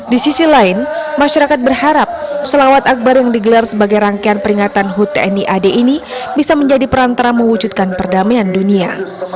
di sisi lain masyarakat berharap solawat akbar yang digelar sebagai rangkaian peringatan hut tni ad ini bisa menjadi perantara mewujudkan perdamaian dunia